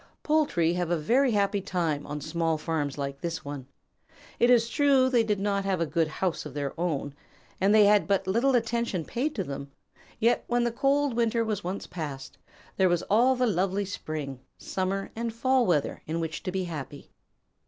Poultry have a very happy time on small farms like this one. It is true that they did not have a good house of their own, and they had but little attention paid to them, yet when the cold winter was once past, there was all the lovely spring, summer, and fall weather in which to be happy.